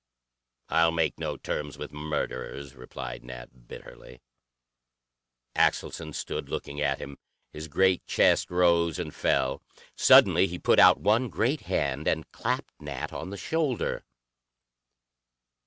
"I'll make no terms with murderers," replied Nat bitterly. Axelson stood looking at him. His great chest rose and fell. Suddenly he put out one great hand and clapped Nat on the shoulder.